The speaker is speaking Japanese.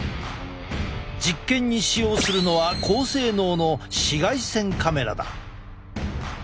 実験に使用するのは高性能の紫外線カメラだ。